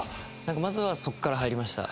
まずはそっから入りました。